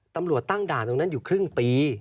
ตำรวจตั้งด่านตรงนั้นอยู่ครึ่งปี